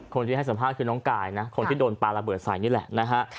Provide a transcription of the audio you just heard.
คนที่ให้สัมภาษณ์คือน้องกายนะคนที่โดนปลาระเบิดใส่นี่แหละนะฮะ